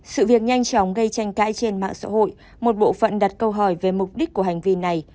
sự việc nhanh chóng gây tranh cãi trên mạng xã hội một bộ phận đặt câu hỏi về mục đích của hành vi này